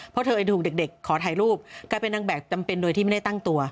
เพราะเธอถูกเด็กขอถ่ายรูปกลายเป็นนางแบบจำเป็นโดยที่ไม่ได้ตั้งตัว